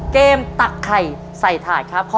เยี่ยม